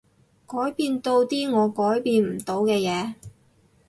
改變到啲我改變唔到嘅嘢